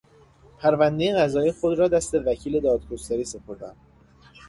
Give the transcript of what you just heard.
پروندهی قضایی خود را دست وکیل دادگستری سپردن